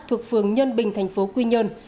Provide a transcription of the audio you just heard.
thuộc phường nhân bình thành phố quy nhơn